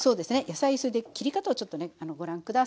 野菜それで切り方をちょっとねご覧下さい。